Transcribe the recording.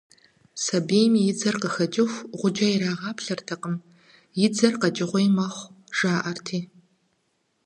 Сабийм и дзэр къэкӀыху гъуджэ ирагъаплъэртэкъым, и дзэр къэкӀыгъуей мэхъу, жаӀэрти.